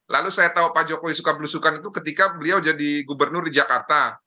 lalu saya tahu pak jokowi suka belusukan itu ketika beliau jadi gubernur di jakarta